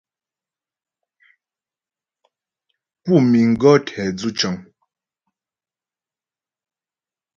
Pú miŋ gɔ̌ tɛ dzʉ cəŋ.